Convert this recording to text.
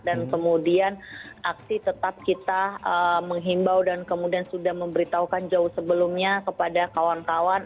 dan kemudian aksi tetap kita menghimbau dan kemudian sudah memberitahukan jauh sebelumnya kepada kawan kawan